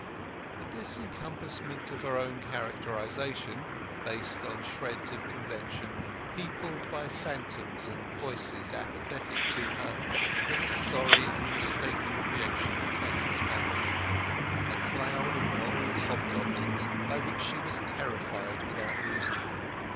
But this encompassment of her own characterization, based on shreds of convention, peopled by phantoms and voices antipathetic to her, was a sorry and mistaken creation of Tess's fancy—a cloud of moral hobgoblins by which she was terrified without reason.